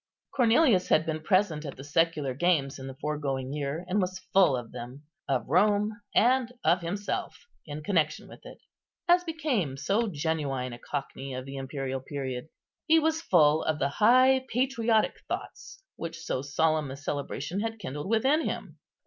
Cornelius had been present at the Secular Games in the foregoing year, and was full of them, of Rome, and of himself in connection with it, as became so genuine a cockney of the imperial period. He was full of the high patriotic thoughts which so solemn a celebration had kindled within him.